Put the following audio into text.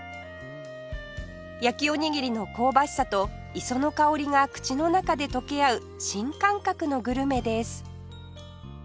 焼きおにぎりの香ばしさと磯の香りが口の中で溶け合う新感覚のグルメです